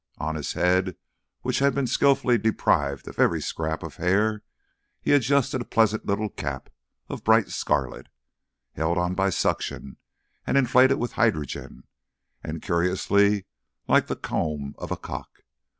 On his head, which had been skilfully deprived of every scrap of hair, he adjusted a pleasant little cap of bright scarlet, held on by suction and inflated with hydrogen, and curiously like the comb of a cock.